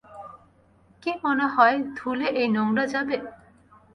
কি মনে হয় ধুলে এই নোংরা যাবে?